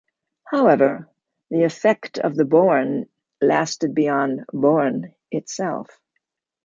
However, the effect of "Boerne" lasted beyond "Boerne" itself.